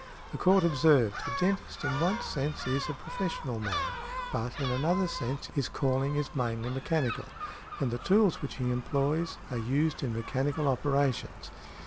The Court observed, "A dentist, in one sense, is |170| a professional man, but, in another sense, his calling is mainly mechanical, and the tools which he employs are used in mechanical operations.